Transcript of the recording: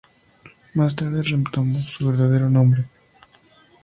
Más tarde retomó su verdadero nombre.